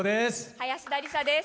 林田理沙です。